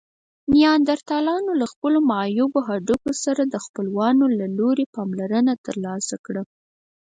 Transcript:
نیاندرتالانو له خپلو معیوبو هډوکو سره د خپلوانو له لوري پاملرنه ترلاسه کړه.